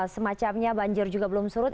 semacamnya banjir juga belum surut